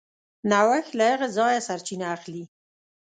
نوښت له هغه ځایه سرچینه اخلي.